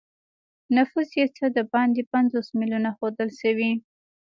نفوس یې څه د باندې پنځوس میلیونه ښودل شوی.